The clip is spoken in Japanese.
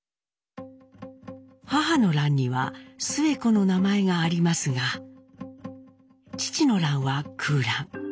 母の欄には「スエ子」の名前がありますが父の欄は空欄。